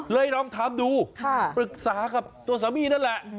ลองถามดูปรึกษากับตัวสามีนั่นแหละ